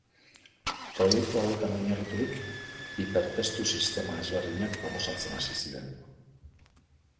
Proiektu hauetan oinarriturik, hipertestu-sistema ezberdinak proposatzen hasi ziren.